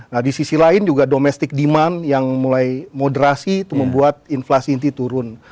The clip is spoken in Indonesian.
nah di sisi lain juga domestic demand yang mulai moderasi itu membuat inflasi inti turun